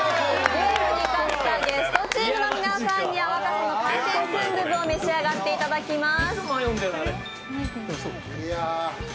ゲームに勝ったゲストチームの皆さんには、若狭の海鮮スンドゥブを召し上がっていただきます。